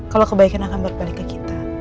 kalau kebaikan akan berbalik ke kita